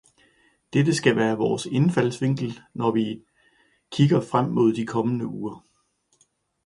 Dette skal være vores indfaldsvinkel, når vi kigger frem imod de kommende uger.